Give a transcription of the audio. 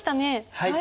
はい。